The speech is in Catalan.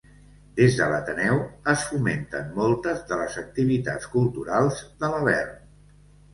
Des de l'Ateneu es fomenten moltes de les activitats culturals de Lavern.